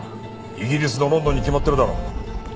イギリスのロンドンに決まってるだろ。